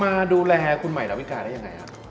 มาดูแลคุณหมายดาวิกาได้ยังไง